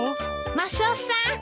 ・マスオさん！